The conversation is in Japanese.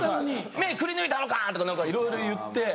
目くりぬいたろか！とか何かいろいろ言って。